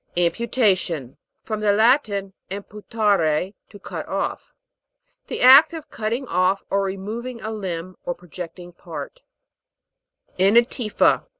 AMPUTA'TION. From the Latin, am putare, to cut off. The act of cut ting off or removing a limb or projecting part ANA'TIFA.